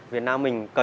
việt nam mình cần có